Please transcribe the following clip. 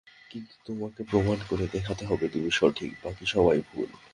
কিন্তু তোমাকে প্রমাণ করে দেখাতে হবে তুমি সঠিক, বাকি সবাই ভুল।